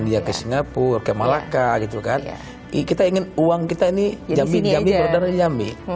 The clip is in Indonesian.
dia ke singapura ke malaka gitu kan kita ingin uang kita ini jamin jambi berdarah di jambi